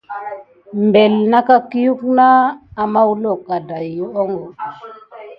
Mbeli sika ɗe daku adef simi iki liok siɗef macra mi.